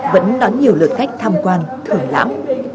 vẫn đón nhiều lượt khách tham quan thở lãm